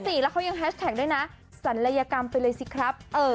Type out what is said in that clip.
นั่นนะสิแล้วเขายังแฮชแท็กด้วยนะสันลัยกรรมไปเลยสิครับเออ